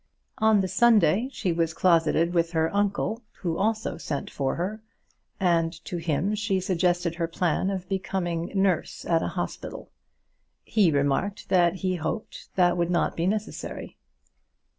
On the Sunday she was closeted with her uncle who also sent for her, and to him she suggested her plan of becoming nurse at a hospital. He remarked that he hoped that would not be necessary.